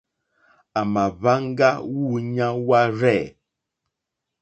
À mà hwáŋgá wûɲá wárzɛ̂.